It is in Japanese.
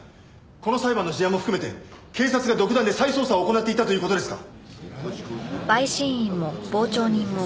この裁判の事案も含めて警察が独断で再捜査を行っていたという事ですか？